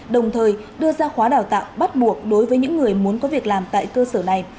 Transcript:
đồng thời đưa ra khóa đào tạo bắt buộc đối với những người muốn có việc làm tại cơ sở này